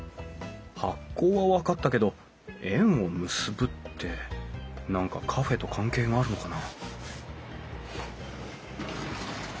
「発酵」は分かったけど「縁を結ぶ」って何かカフェと関係があるのかな？